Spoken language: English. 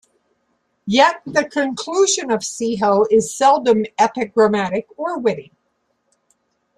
Yet, The conclusion of sijo is seldom epigrammatic or witty.